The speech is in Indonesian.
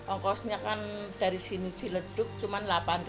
ongkosnya kan dari sini jiledug cuman delapan